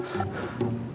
aku cariin dari pagi